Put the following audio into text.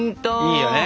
いいよね。